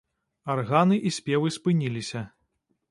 Арганы і спевы спыніліся.